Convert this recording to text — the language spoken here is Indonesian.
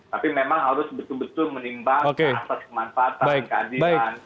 tapi memang harus betul betul menimbang asas kemanfaatan keadilan